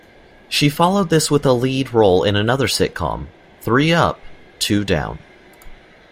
She followed this with a lead role in another sitcom, "Three Up, Two Down".